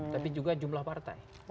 tapi juga jumlah partai